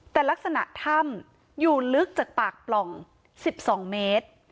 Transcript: แต่ลักษณะถ้ำอยู่ลึกจากปากปล่อง๑๒เมตร